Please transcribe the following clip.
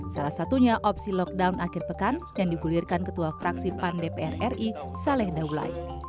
salah satunya opsi lockdown akhir pekan yang digulirkan ketua fraksi pan dpr ri saleh daulai